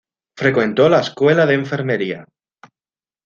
Frecuentó la escuela de enfermería St.